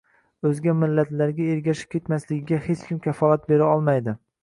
o‘zga millatlarga ergashib ketmasligiga hech kim kafolat bera olmaydi.